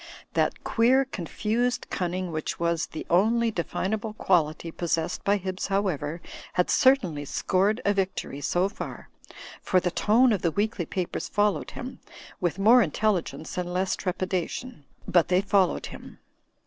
That queer confused cunning which was the only definable quality possessed by Hibbs However had certainly scored a victory so far, for the tone of the weekly papers followed him, with more intelligence and less trepidation ; but they followed him.